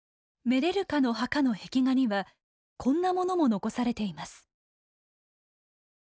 メレルカの墓の壁画にはこんなものも残されています。